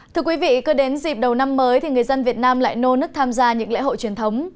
thưa quý vị cứ đến dịp đầu năm mới thì người dân việt nam lại nô nức tham gia những lễ hội truyền thống